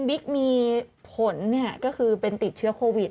บิ๊กมีผลก็คือเป็นติดเชื้อโควิด